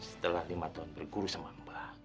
setelah lima tahun berguru sama mbak